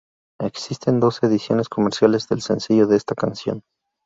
Existen dos ediciones comerciales del sencillo de esta canción.